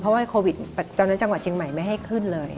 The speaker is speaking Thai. เพราะว่าโควิดตอนนั้นจังหวัดเชียงใหม่ไม่ให้ขึ้นเลย